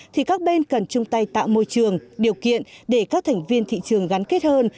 thì các bên cần chung tay tạo môi trường điều kiện để các thành viên thị trường gắn kết hơn